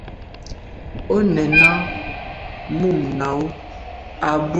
O nèn à mum nà o à bû mèn am.